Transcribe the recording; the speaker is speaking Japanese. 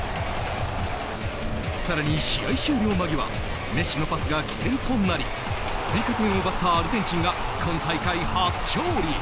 更に試合終了間際メッシのパスが起点となり追加点を奪ったアルゼンチンが今大会初勝利。